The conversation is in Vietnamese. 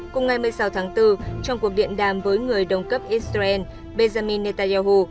cùng ngày một mươi sáu tháng bốn trong cuộc điện đàm với người đồng cấp israel benjamin netanyahu